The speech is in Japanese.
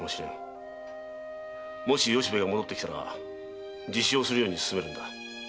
もし由兵衛が戻ってきたら自首をするように勧めるんだ。